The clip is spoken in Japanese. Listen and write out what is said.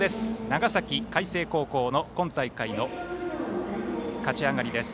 長崎、海星高校の今大会の勝ち上がりです。